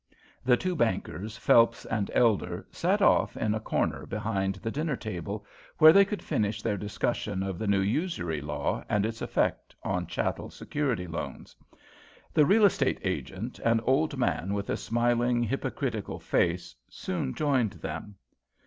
The two bankers, Phelps and Elder, sat off in a corner behind the dinner table, where they could finish their discussion of the new usury law and its effect on chattel security loans. The real estate agent, an old man with a smiling, hypocritical face, soon joined them.